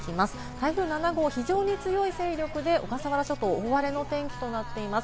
台風７号、非常に強い勢力で小笠原諸島、大荒れの天気となっています。